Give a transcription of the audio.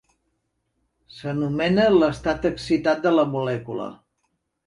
S"anomena l"estat excitat de la molècula.